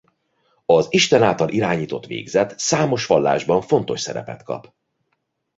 Az Isten által irányított végzet számos vallásban fontos szerepet kap.